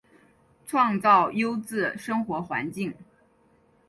创造优质生活环境